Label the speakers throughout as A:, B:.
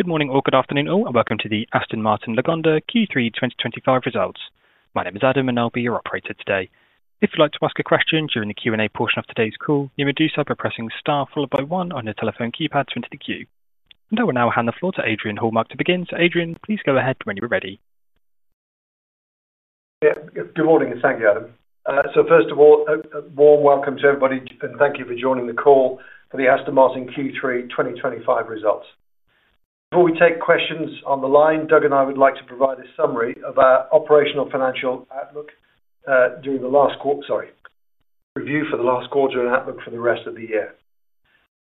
A: Good morning or good afternoon, or welcome to the Aston Martin Lagonda Q3 2025 results. My name is Adam, and I'll be your operator today. If you'd like to ask a question during the Q&A portion of today's call, you may do so by pressing * followed by 1 on your telephone keypad to enter the queue. I will now hand the floor to Adrian Hallmark to begin. Adrian, please go ahead when you're ready.
B: Yeah, good morning and thank you, Adam. First of all, a warm welcome to everybody, and thank you for joining the call for the Aston Martin Q3 2025 results. Before we take questions on the line, Doug and I would like to provide a summary of our operational financial outlook during the last quarter, review for the last quarter and outlook for the rest of the year.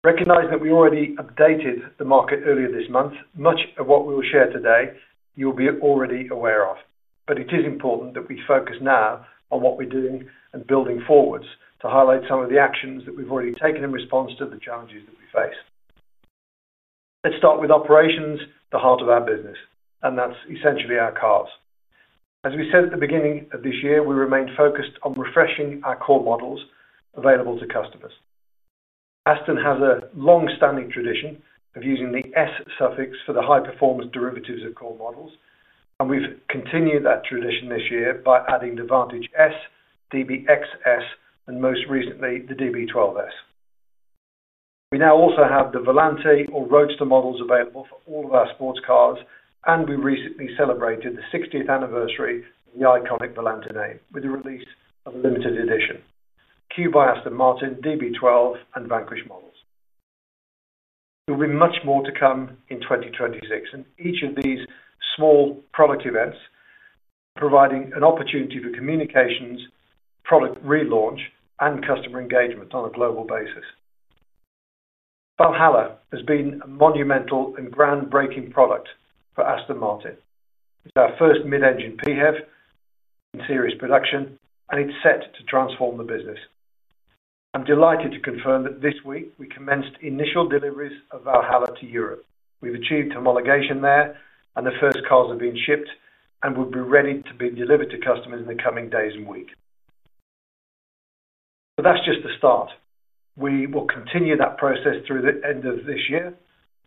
B: Recognizing that we already updated the market earlier this month, much of what we will share today you'll already be aware of. It is important that we focus now on what we're doing and building forwards to highlight some of the actions that we've already taken in response to the challenges that we face. Let's start with operations, the heart of our business, and that's essentially our cars. As we said at the beginning of this year, we remained focused on refreshing our core model lineup available to customers. Aston has a long-standing tradition of using the S suffix for the high-performance derivatives of core models, and we've continued that tradition this year by adding the Vantage S, DBX S, and most recently, the DB12 S. We now also have the Volante or Roadster models available for all of our sports cars, and we recently celebrated the 60th anniversary of the iconic Volante name with the release of a limited edition, Q by Aston Martin, DB12, and Vanquish models. There will be much more to come in 2026, and each of these small product events is providing an opportunity for communications, product relaunch, and customer engagement on a global basis. Valhalla has been a monumental and groundbreaking product for Aston Martin. It's our first mid-engine PHEV in series production, and it's set to transform the business. I'm delighted to confirm that this week we commenced initial deliveries of Valhalla to Europe. We've achieved homologation there, and the first cars have been shipped and will be ready to be delivered to customers in the coming days and weeks. That's just the start. We will continue that process through the end of this year,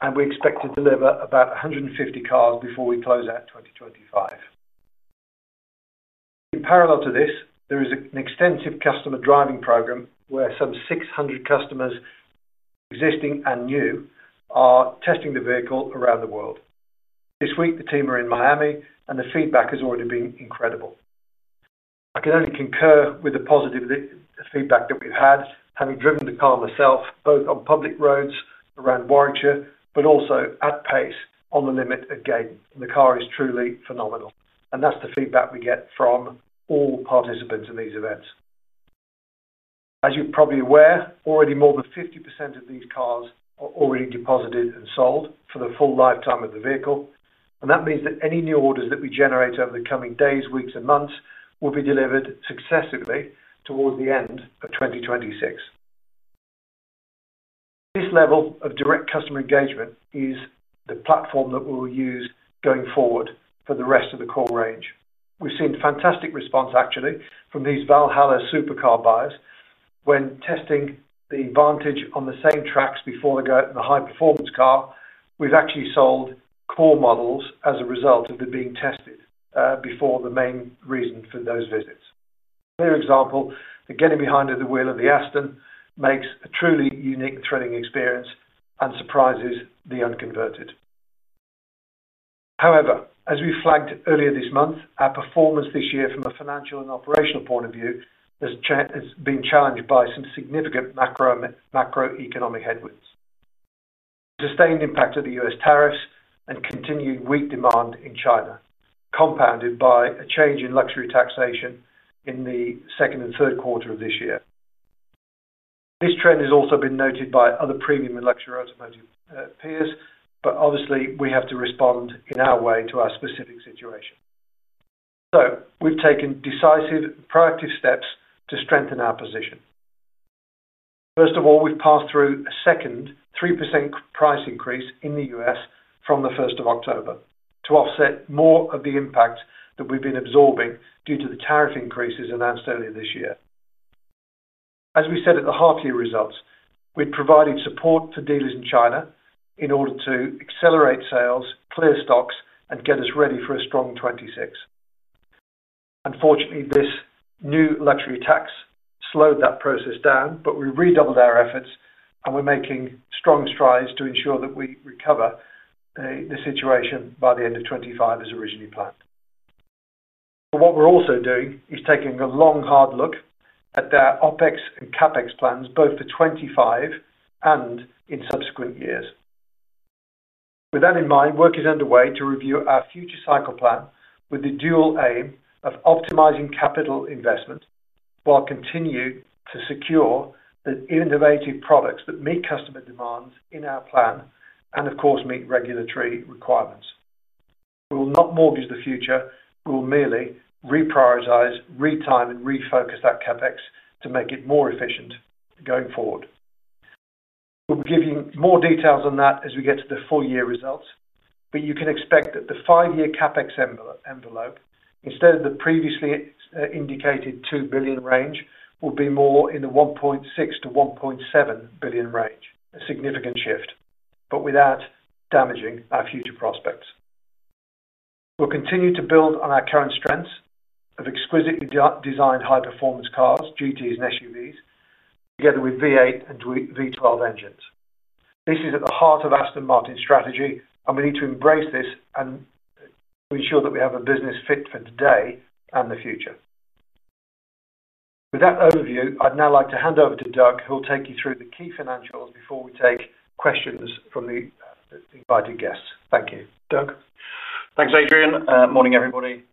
B: and we expect to deliver about 150 cars before we close out 2025. In parallel to this, there is an extensive customer driving program where some 600 customers, existing and new, are testing the vehicle around the world. This week, the team are in Miami, and the feedback has already been incredible. I can only concur with the positive feedback that we've had, having driven the car myself, both on public roads around Warwickshire, but also at pace on the limit again. The car is truly phenomenal, and that's the feedback we get from all participants in these events. As you're probably aware, already more than 50% of these cars are already deposited and sold for the full lifetime of the vehicle, and that means that any new orders that we generate over the coming days, weeks, and months will be delivered successively towards the end of 2026. This level of direct customer engagement is the platform that we'll use going forward for the rest of the core model lineup. We've seen fantastic response, actually, from these Valhalla supercar buyers when testing the Vantage on the same tracks before they go out in the high-performance car. We've actually sold core models as a result of them being tested before the main reason for those visits. Clear example that getting behind the wheel of the Aston makes a truly unique and thrilling experience and surprises the unconverted. However, as we flagged earlier this month, our performance this year from a financial and operational point of view has been challenged by some significant macroeconomic headwinds. The sustained impact of the U.S. tariffs and continued weak demand in China compounded by a change in luxury taxation in the second and third quarter of this year. This trend has also been noted by other premium and luxury automotive peers, but obviously, we have to respond in our way to our specific situation. We have taken decisive and proactive steps to strengthen our position. First of all, we've passed through a second 3% price increase in the U.S. from the 1st of October to offset more of the impact that we've been absorbing due to the tariff increases announced earlier this year. As we said at the half-year results, we've provided support for dealers in China in order to accelerate sales, clear stocks, and get us ready for a strong 2026. Unfortunately, this new luxury tax slowed that process down, but we redoubled our efforts, and we're making strong strides to ensure that we recover the situation by the end of 2025 as originally planned. What we're also doing is taking a long, hard look at our OpEx and CapEx plans, both for 2025 and in subsequent years. With that in mind, work is underway to review our future cycle plan with the dual aim of optimizing capital investment while continuing to secure the innovative products that meet customer demands in our plan and, of course, meet regulatory requirements. We will not mortgage the future. We will merely reprioritize, retime, and refocus that CapEx to make it more efficient going forward. We'll be giving more details on that as we get to the full-year results, but you can expect that the five-year CapEx envelope, instead of the previously indicated 2 billion range, will be more in the 1.6 billion-1.7 billion range, a significant shift, but without damaging our future prospects. We'll continue to build on our current strengths of exquisitely designed high-performance cars, GTs, and SUVs, together with V8 and V12 engines. This is at the heart of Aston Martin's strategy, and we need to embrace this to ensure that we have a business fit for today and the future. With that overview, I'd now like to hand over to Doug, who will take you through the key financials before we take questions from the invited guests. Thank you, Doug.
C: Thanks, Adrian. Morning, everybody.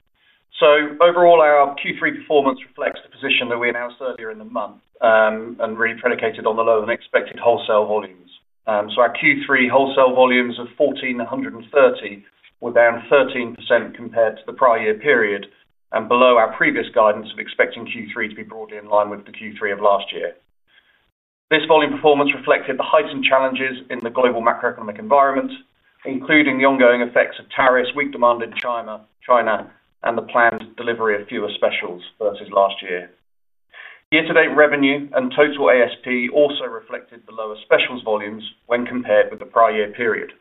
C: Overall, our Q3 performance reflects the position that we announced earlier in the month and is really predicated on the low and expected wholesale volumes. Our Q3 wholesale volumes of 1,430 were down 13% compared to the prior year period and below our previous guidance of expecting Q3 to be broadly in line with the Q3 of last year. This volume performance reflected the heightened challenges in the global macroeconomic environment, including the ongoing effects of tariffs, weak demand in China, and the planned delivery of fewer specials versus last year. Year-to-date revenue and total ASP also reflected the lower specials volumes when compared with the prior year period.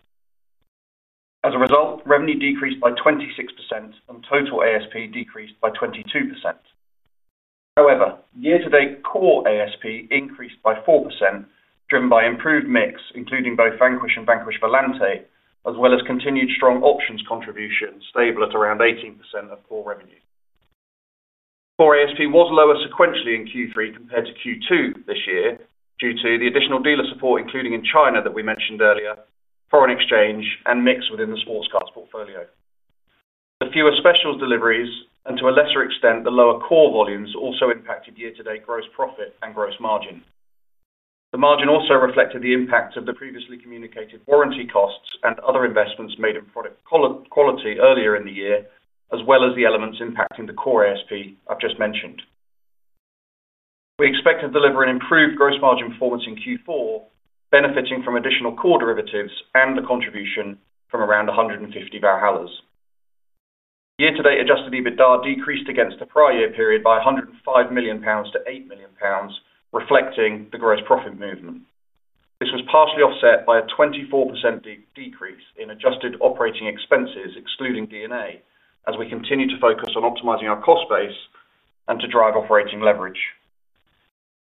C: As a result, revenue decreased by 26% and total ASP decreased by 22%. However, year-to-date core ASP increased by 4%, driven by improved mix, including both Vanquish and Vanquish Volante, as well as continued strong options contributions, stable at around 18% of core revenue. Core ASP was lower sequentially in Q3 compared to Q2 this year due to the additional dealer support, including in China that we mentioned earlier, foreign exchange, and mix within the sports cars portfolio. The fewer specials deliveries and, to a lesser extent, the lower core volumes also impacted year-to-date gross profit and gross margin. The margin also reflected the impact of the previously communicated warranty costs and other investments made in product quality earlier in the year, as well as the elements impacting the core ASP I've just mentioned. We expect to deliver an improved gross margin performance in Q4, benefiting from additional core derivatives and the contribution from around 150 Valhallas. Year-to-date adjusted EBITDA decreased against the prior year period by 105 million pounds to 8 million pounds, reflecting the gross profit movement. This was partially offset by a 24% decrease in adjusted operating expenses, excluding D&A, as we continue to focus on optimizing our cost base and to drive operating leverage.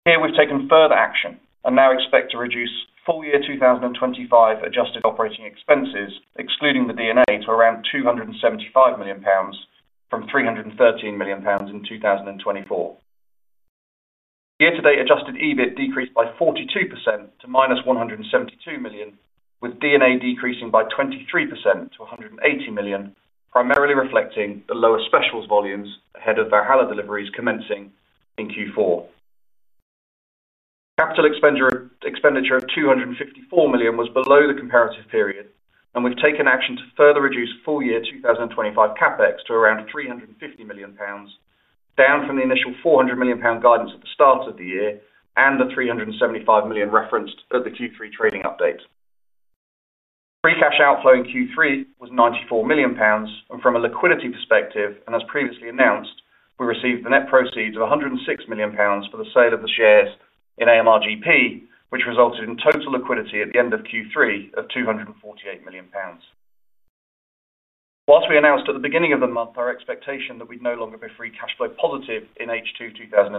C: Here, we've taken further action and now expect to reduce full-year 2025 adjusted operating expenses, excluding the D&A, to around 275 million pounds from 313 million pounds in 2024. Year-to-date adjusted EBIT decreased by 42% to -172 million, with D&A decreasing by 23% to 180 million, primarily reflecting the lower specials volumes ahead of Valhalla deliveries commencing in Q4. Capital expenditure of 254 million was below the comparative period, and we've taken action to further reduce full-year 2025 CapEx to around 350 million pounds, down from the initial 400 million pound guidance at the start of the year and the 375 million referenced at the Q3 trading update. Free cash outflow in Q3 was 94 million pounds, and from a liquidity perspective, and as previously announced, we received the net proceeds of 106 million pounds for the sale of the shares in AMR GP, which resulted in total liquidity at the end of Q3 of 248 million pounds. Whilst we announced at the beginning of the month our expectation that we'd no longer be free cash flow positive in H2 2025,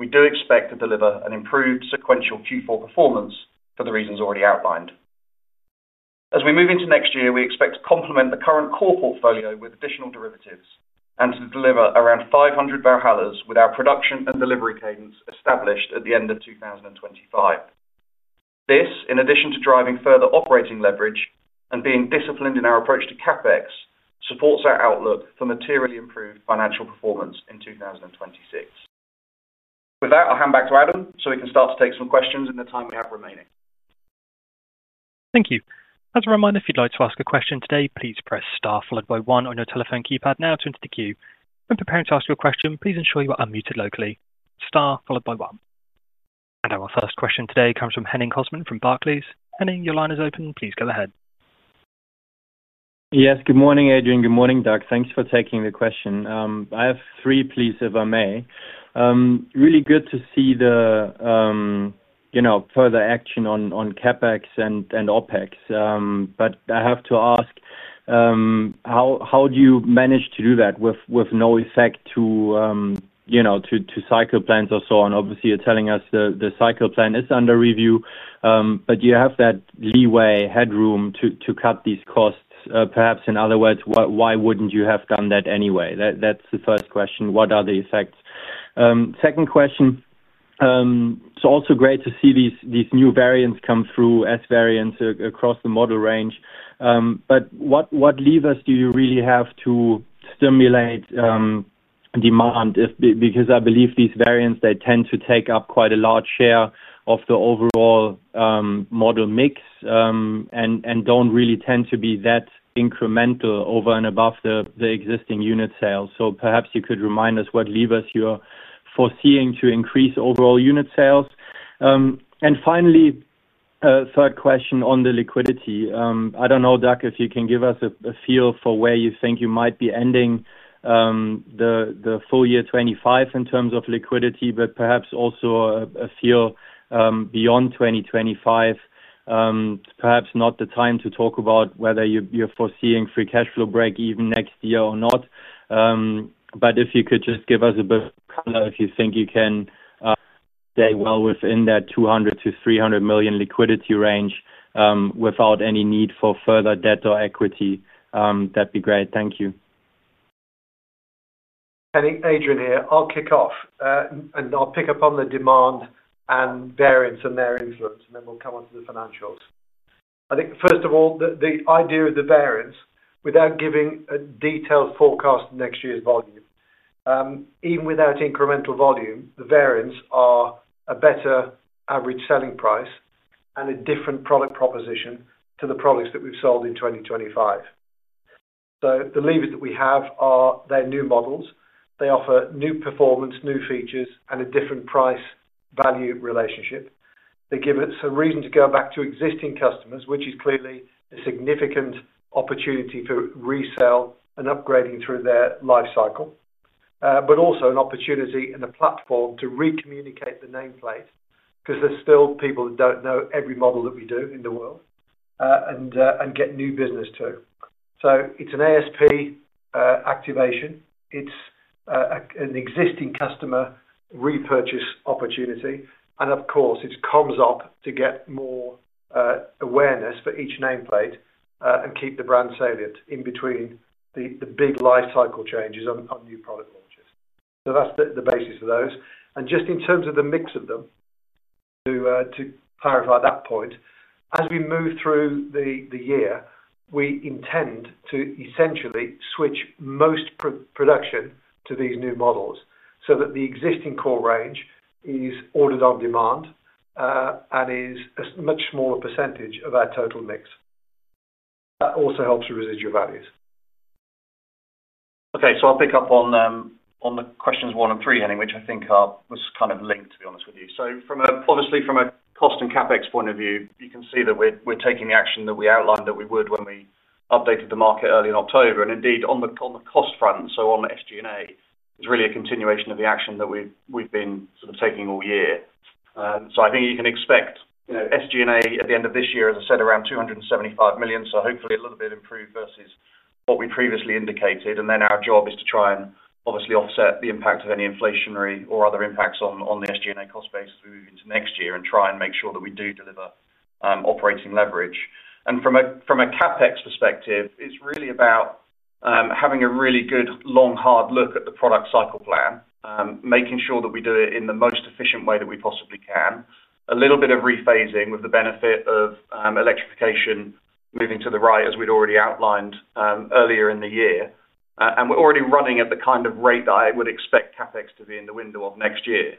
C: we do expect to deliver an improved sequential Q4 performance for the reasons already outlined. As we move into next year, we expect to complement the current core model lineup with additional derivatives and to deliver around 500 Valhallas with our production and delivery cadence established at the end of 2025. This, in addition to driving further operating leverage and being disciplined in our approach to CapEx, supports our outlook for materially improved financial performance in 2026. With that, I'll hand back to Adam so we can start to take some questions in the time we have remaining.
A: Thank you. As a reminder, if you'd like to ask a question today, please press * followed by 1 on your telephone keypad now to enter the queue. When preparing to ask your question, please ensure you are unmuted locally. * followed by 1. Our first question today comes from Henning Cosman from Barclays. Henning, your line is open. Please go ahead.
D: Yes, good morning, Adrian. Good morning, Doug. Thanks for taking the question. I have three, please, if I may. Really good to see the further action on CapEx and OpEx. I have to ask, how do you manage to do that with no effect to cycle plans or so on? Obviously, you're telling us the cycle plan is under review, but do you have that leeway, headroom to cut these costs? Perhaps, in other words, why wouldn't you have done that anyway? That's the first question. What are the effects? Second question, it's also great to see these new variants come through as variants across the model range, but what levers do you really have to stimulate demand? I believe these variants tend to take up quite a large share of the overall model mix and don't really tend to be that incremental over and above the existing unit sales. Perhaps you could remind us what levers you're foreseeing to increase overall unit sales. Finally, a third question on the liquidity. I don't know, Doug, if you can give us a feel for where you think you might be ending the full year 2025 in terms of liquidity, but perhaps also a feel beyond 2025. It's perhaps not the time to talk about whether you're foreseeing free cash flow break even next year or not. If you could just give us a bit of color if you think you can stay well within that 200-300 million liquidity range without any need for further debt or equity, that'd be great. Thank you.
B: Henning, Adrian here. I'll kick off and I'll pick up on the demand and variants and their influence, then we'll come onto the financials. I think, first of all, the idea of the variants, without giving a detailed forecast of next year's volume, even without incremental volume, the variants are a better average selling price and a different product proposition to the products that we've sold in 2025. The levers that we have are their new models. They offer new performance, new features, and a different price-value relationship. They give us a reason to go back to existing customers, which is clearly a significant opportunity for resale and upgrading through their life cycle, but also an opportunity and a platform to recommunicate the nameplate because there's still people that don't know every model that we do in the world and get new business too. It's an ASP activation. It's an existing customer repurchase opportunity. Of course, it's comms op to get more awareness for each nameplate and keep the brand salient in between the big life cycle changes on new product launches. That's the basis for those. Just in terms of the mix of them, to clarify that point, as we move through the year, we intend to essentially switch most production to these new models so that the existing core range is ordered on demand and is a much smaller percentage of our total mix. That also helps with residual values.
C: Okay, I'll pick up on questions one and three, Henning, which I think were kind of linked, to be honest with you. Obviously, from a cost and CapEx point of view, you can see that we're taking the action that we outlined that we would when we updated the market early in October. Indeed, on the cost front, on SG&A, it's really a continuation of the action that we've been taking all year. I think you can expect SG&A at the end of this year, as I said, around 275 million, hopefully a little bit improved versus what we previously indicated. Our job is to try and offset the impact of any inflationary or other impacts on the SG&A cost base as we move into next year and make sure that we do deliver operating leverage. From a CapEx perspective, it's really about having a really good long, hard look at the product cycle plan, making sure that we do it in the most efficient way that we possibly can. There's a little bit of rephasing with the benefit of electrification moving to the right, as we'd already outlined earlier in the year. We're already running at the kind of rate that I would expect CapEx to be in the window of next year.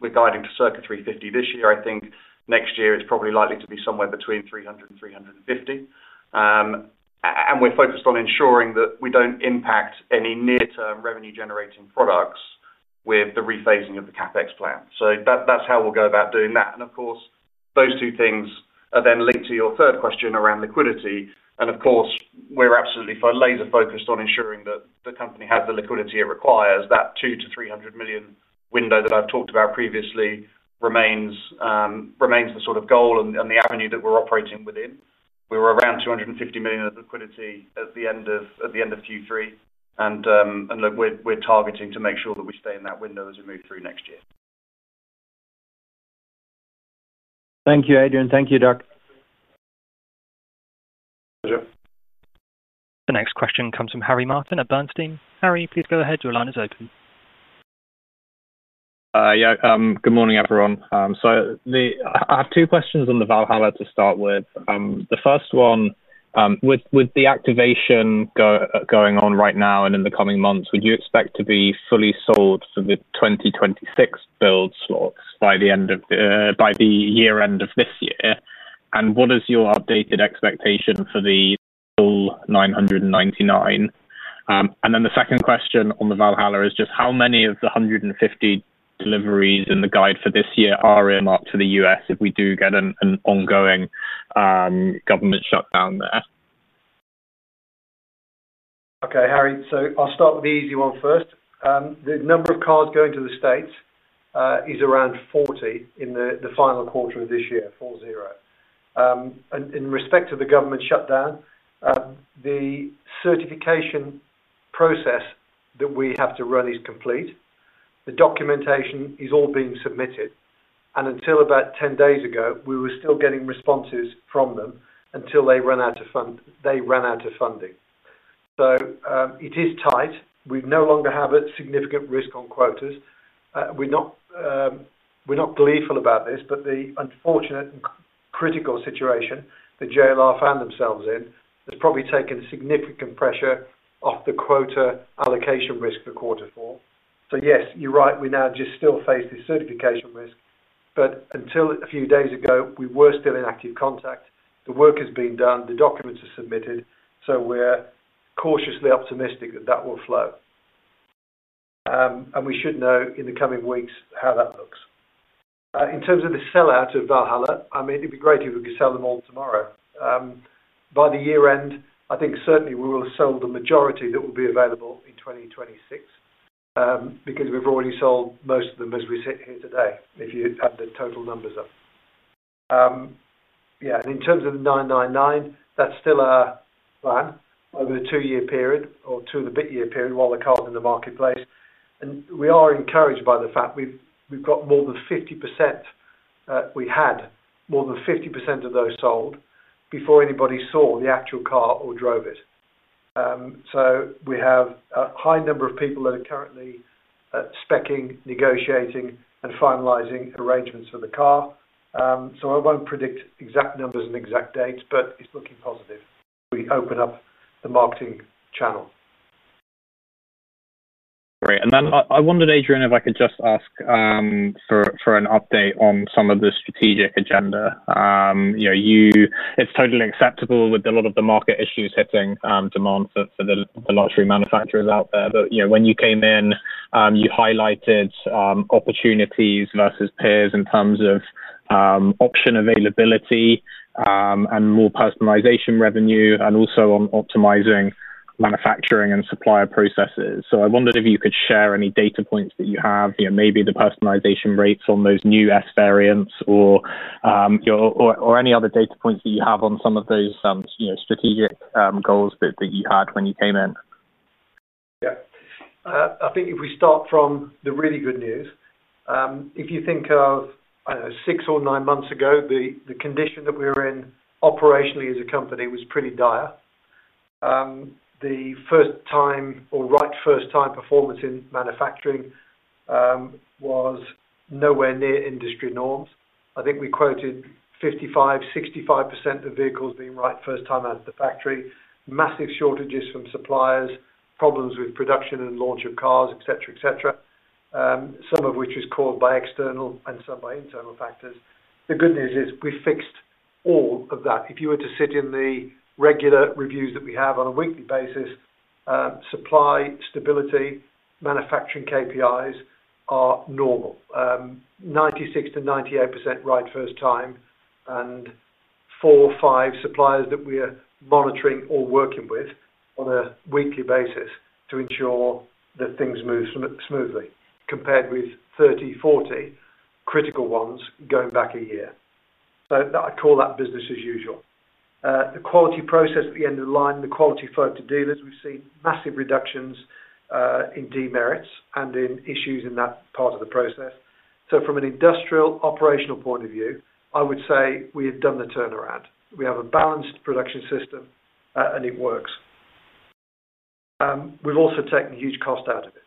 C: We're guiding to circa 350 million this year. I think next year it's probably likely to be somewhere between 300 million and 350 million. We're focused on ensuring that we don't impact any near-term revenue-generating products with the rephasing of the CapEx plan. That's how we'll go about doing that. Of course, those two things are then linked to your third question around liquidity. We're absolutely laser-focused on ensuring that the company has the liquidity it requires. That 200 million-300 million window that I've talked about previously remains the goal and the avenue that we're operating within. We were around 250 million of liquidity at the end of Q3, and we're targeting to make sure that we stay in that window as we move through next year.
D: Thank you, Adrian. Thank you, Doug.
A: The next question comes from Harry Martin at Bernstein. Harry, please go ahead. Your line is open.
E: Good morning, everyone. I have two questions on the Valhalla to start with. The first one, with the activation going on right now and in the coming months, would you expect to be fully sold for the 2026 build slots by the year-end of this year? What is your updated expectation for the full 999? The second question on the Valhalla is just how many of the 150 deliveries in the guide for this year are in the market for the U.S. if we do get an ongoing government shutdown there?
B: Okay, Harry, I'll start with the easy one first. The number of cars going to the United States is around 40 in the final quarter of this year, 40. In respect to the government shutdown, the certification process that we have to run is complete. The documentation is all being submitted. Until about 10 days ago, we were still getting responses from them until they ran out of funding. It is tight. We no longer have a significant risk on quotas. We're not gleeful about this, but the unfortunate and critical situation that GLR found themselves in has probably taken significant pressure off the quota allocation risk for quarter four. Yes, you're right. We now just still face this certification risk. Until a few days ago, we were still in active contact. The work has been done. The documents are submitted. We're cautiously optimistic that that will flow. We should know in the coming weeks how that looks. In terms of the sell-out of Valhalla, it'd be great if we could sell them all tomorrow. By the year-end, I think certainly we will sell the majority that will be available in 2026 because we've already sold most of them as we sit here today, if you add the total numbers up. In terms of the 999, that's still our plan over the two-year period or to the mid-year period while the car's in the marketplace. We are encouraged by the fact we've got more than 50%. We had more than 50% of those sold before anybody saw the actual car or drove it. We have a high number of people that are currently speccing, negotiating, and finalizing arrangements for the car. I won't predict exact numbers and exact dates, but it's looking positive as we open up the marketing channel.
E: Great. I wondered, Adrian, if I could just ask for an update on some of the strategic agenda. It's totally acceptable with a lot of the market issues hitting demand for the luxury manufacturers out there. When you came in, you highlighted opportunities versus peers in terms of option availability and more personalization revenue, and also on optimizing manufacturing and supplier processes. I wondered if you could share any data points that you have, maybe the personalization rates on those new S variants or any other data points that you have on some of those strategic goals that you had when you came in.
B: Yeah, I think if we start from the really good news, if you think of, I don't know, six or nine months ago, the condition that we were in operationally as a company was pretty dire. The first time or right-first-time performance in manufacturing was nowhere near industry norms. I think we quoted 55%, 65% of vehicles being right first time out of the factory. Massive shortages from suppliers, problems with production and launch of cars, etc., etc., some of which was caused by external and some by internal factors. The good news is we fixed all of that. If you were to sit in the regular reviews that we have on a weekly basis, supply stability, manufacturing KPIs are normal. 96%-98% right first time, and four or five suppliers that we are monitoring or working with on a weekly basis to ensure that things move smoothly compared with 30, 40 critical ones going back a year. I call that business as usual. The quality process at the end of the line, the quality flow to dealers, we've seen massive reductions in demerits and in issues in that part of the process. From an industrial operational point of view, I would say we have done the turnaround. We have a balanced production system and it works. We've also taken a huge cost out of it.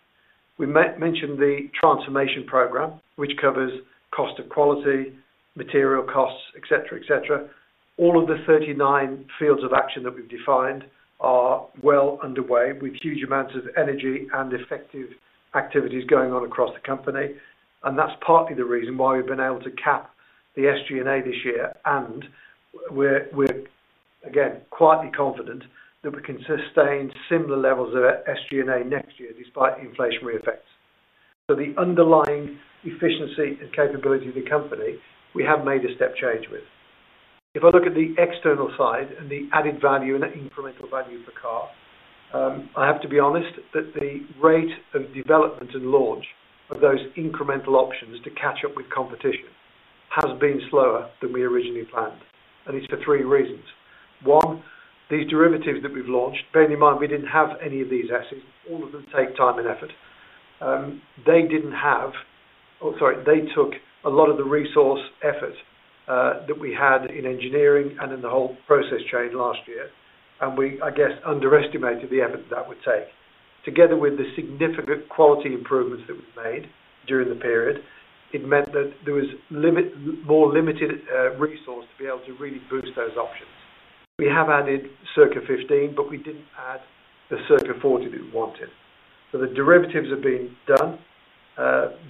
B: We mentioned the transformation program, which covers cost of quality, material costs, etc., etc. All of the 39 fields of action that we've defined are well underway with huge amounts of energy and effective activities going on across the company. That's partly the reason why we've been able to cap the SG&A this year. We're, again, quietly confident that we can sustain similar levels of SG&A next year despite inflationary effects. The underlying efficiency and capability of the company, we have made a step change with. If I look at the external side and the added value and incremental value of the car, I have to be honest that the rate of development and launch of those incremental options to catch up with competition has been slower than we originally planned. It's for three reasons. One, these derivatives that we've launched, bearing in mind we didn't have any of these Ss. All of them take time and effort. They took a lot of the resource effort that we had in engineering and in the whole process chain last year. We, I guess, underestimated the effort that that would take. Together with the significant quality improvements that we've made during the period, it meant that there was more limited resource to be able to really boost those options. We have added circa 15, but we didn't add the circa 40 that we wanted. The derivatives are being done,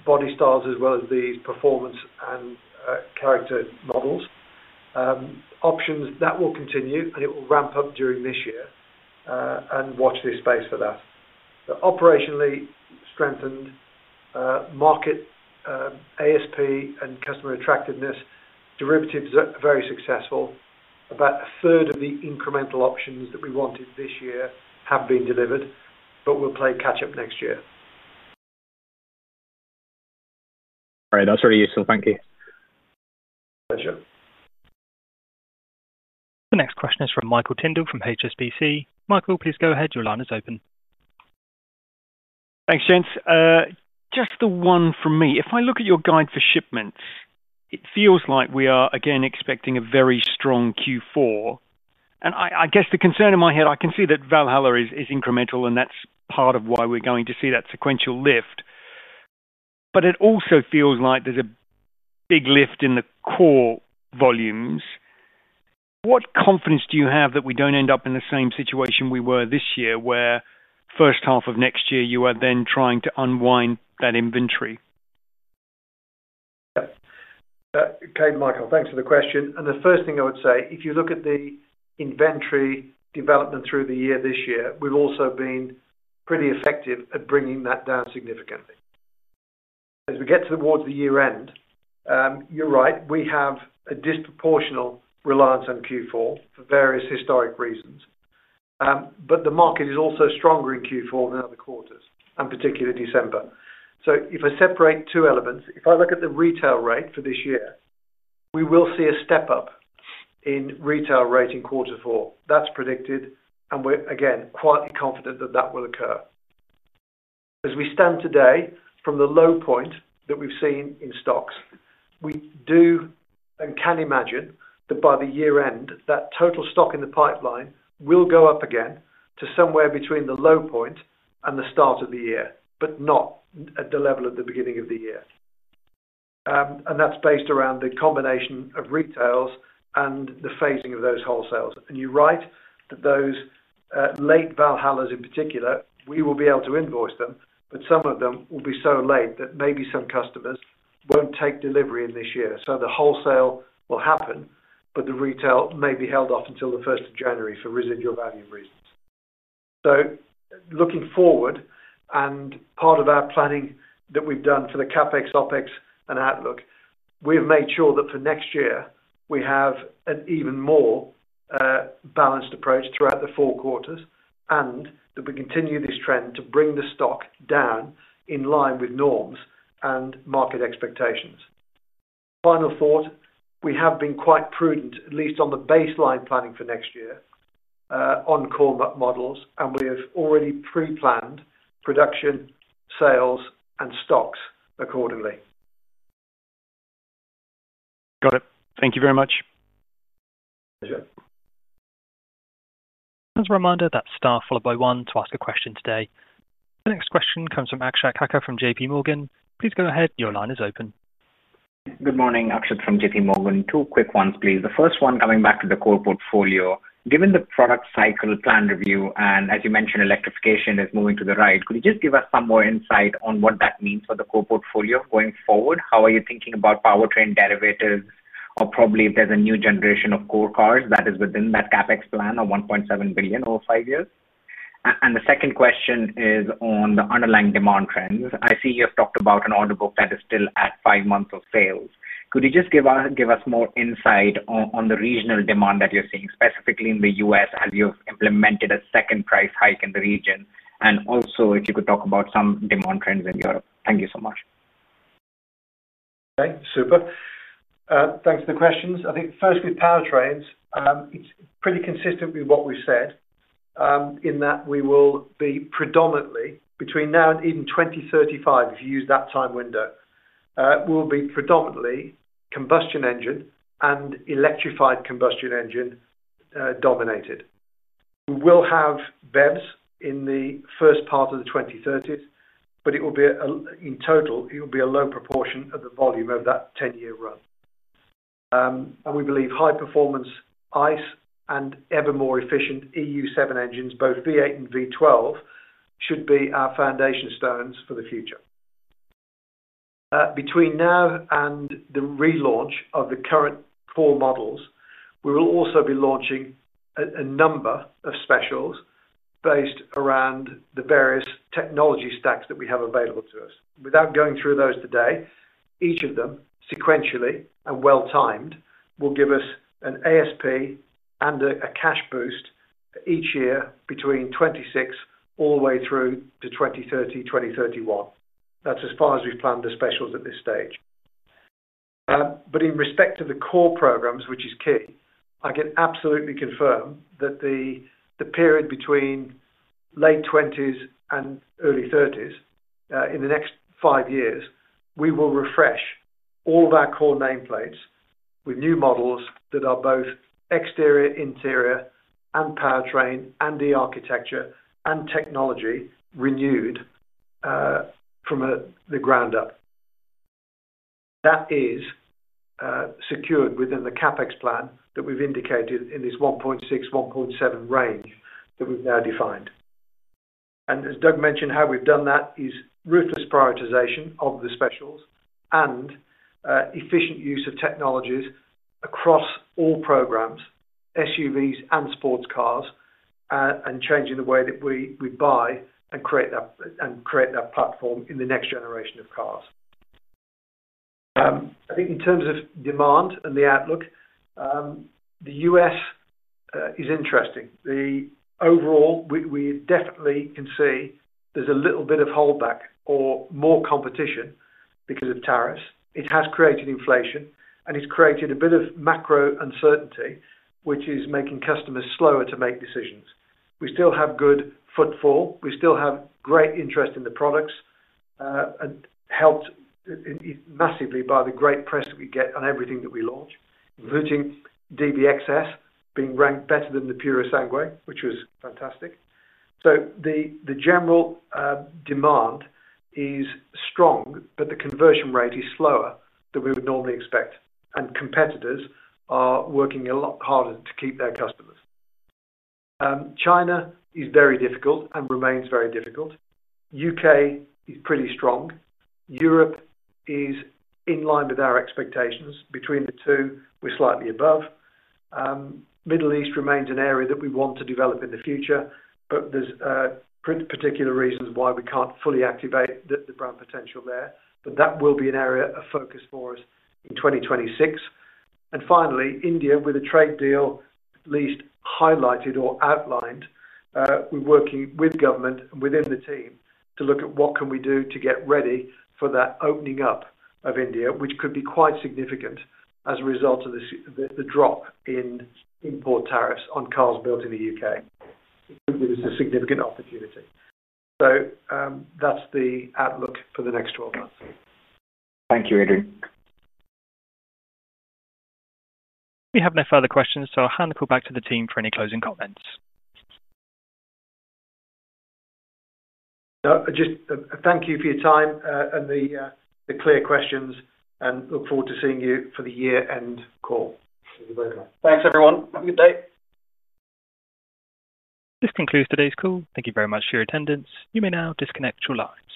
B: body styles as well as these performance and character models. Options that will continue, and it will ramp up during this year. Watch this space for that. Operationally strengthened, market ASP and customer attractiveness, derivatives are very successful. About a third of the incremental options that we wanted this year have been delivered, but we'll play catch-up next year.
E: All right, that's very useful. Thank you.
B: Pleasure.
A: The next question is from Michael Tyndall from HSBC. Michael, please go ahead. Your line is open.
F: Thanks, James. Just the one from me. If I look at your guide for shipments, it feels like we are, again, expecting a very strong Q4. I guess the concern in my head, I can see that Valhalla is incremental, and that's part of why we're going to see that sequential lift. It also feels like there's a big lift in the core volumes. What confidence do you have that we don't end up in the same situation we were this year where first half of next year you are then trying to unwind that inventory?
B: Okay, Michael, thanks for the question. The first thing I would say, if you look at the inventory development through the year this year, we've also been pretty effective at bringing that down significantly. As we get towards the year-end, you're right, we have a disproportional reliance on Q4 for various historic reasons. The market is also stronger in Q4 than other quarters, particularly December. If I separate two elements, if I look at the retail rate for this year, we will see a step up in retail rate in Q4. That's predicted, and we're, again, quietly confident that that will occur. As we stand today, from the low point that we've seen in stocks, we do and can imagine that by the year-end, that total stock in the pipeline will go up again to somewhere between the low point and the start of the year, but not at the level at the beginning of the year. That's based around the combination of retails and the phasing of those wholesales. You're right that those late Valhallas in particular, we will be able to invoice them, but some of them will be so late that maybe some customers won't take delivery in this year. The wholesale will happen, but the retail may be held off until the 1st of January for residual value reasons. Looking forward, and part of our planning that we've done for the CapEx, OpEx, and outlook, we've made sure that for next year, we have an even more balanced approach throughout the four quarters, and that we continue this trend to bring the stock down in line with norms and market expectations. Final thought, we have been quite prudent, at least on the baseline planning for next year, on core models, and we have already pre-planned production, sales, and stocks accordingly.
F: Got it. Thank you very much.
E: Pleasure.
A: As a reminder, that's * followed by 1 to ask a question today. The next question comes from Akshat Kacker from JPMorgan. Please go ahead. Your line is open.
G: Good morning, Akshat from JPMorgan. Two quick ones, please. The first one, coming back to the core portfolio. Given the product cycle plan review, and as you mentioned, electrification is moving to the right, could you just give us some more insight on what that means for the core portfolio going forward? How are you thinking about powertrain derivatives, or probably if there's a new generation of core cars that is within that CapEx plan of 1.7 billion over five years? The second question is on the underlying demand trends. I see you have talked about an order book that is still at five months of sales. Could you just give us more insight on the regional demand that you're seeing specifically in the U.S. as you have implemented a second price hike in the region? Also, if you could talk about some demand trends in Europe. Thank you so much.
B: Okay, super. Thanks for the questions. I think first with powertrains, it's pretty consistent with what we've said in that we will be predominantly, between now and even 2035, if you use that time window, we'll be predominantly combustion engine and electrified combustion engine dominated. We will have BEVs in the first part of the 2030s, but it will be, in total, it will be a low proportion of the volume of that 10-year run. We believe high-performance Ice and ever more efficient EU7 engines, both V8 and V12, should be our foundation stones for the future. Between now and the relaunch of the current core models, we will also be launching a number of specials based around the various technology stacks that we have available to us. Without going through those today, each of them sequentially and well-timed will give us an ASP and a cash boost each year between 2026 all the way through to 2030, 2031. That's as far as we've planned the specials at this stage. In respect to the core programs, which is key, I can absolutely confirm that the period between late 2020s and early 2030s, in the next five years, we will refresh all of our core nameplates with new models that are both exterior, interior, and powertrain, and the architecture and technology renewed from the ground up. That is secured within the CapEx plan that we've indicated in this 1.6 billion-1.7 billion range that we've now defined. As Doug mentioned, how we've done that is ruthless prioritization of the specials and efficient use of technologies across all programs, SUVs and sports cars, and changing the way that we buy and create that platform in the next generation of cars. I think in terms of demand and the outlook, the U.S. is interesting. Overall, we definitely can see there's a little bit of holdback or more competition because of tariffs. It has created inflation, and it's created a bit of macro uncertainty, which is making customers slower to make decisions. We still have good footfall. We still have great interest in the products and helped massively by the great press that we get on everything that we launch, including DBX S being ranked better than the Purosangue, which was fantastic. The general demand is strong, but the conversion rate is slower than we would normally expect. Competitors are working a lot harder to keep their customers. China is very difficult and remains very difficult. The U.K. is pretty strong. Europe is in line with our expectations. Between the two, we're slightly above. The Middle East remains an area that we want to develop in the future, but there are particular reasons why we can't fully activate the brand potential there. That will be an area of focus for us in 2026. Finally, India, with a trade deal at least highlighted or outlined, we're working with government and within the team to look at what we can do to get ready for that opening up of India, which could be quite significant as a result of the drop in import tariffs on cars built in the U.K. It could give us a significant opportunity. That's the outlook for the next 12 months.
G: Thank you, Adrian.
A: We have no further questions, so I'll hand the call back to the team for any closing comments.
B: Thank you for your time and the clear questions, and look forward to seeing you for the year-end call. Thank you very much.
C: Thanks, everyone. Have a good day.
A: This concludes today's call. Thank you very much for your attendance. You may now disconnect your lines.